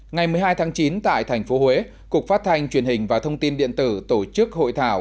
ngày một mươi hai tháng chín tại thành phố huế cục phát thanh truyền hình và thông tin điện tử tổ chức hội thảo